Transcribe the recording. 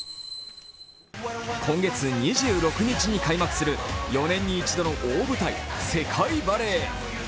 今月２６日に開幕する４年に１度の大舞台、世界バレー。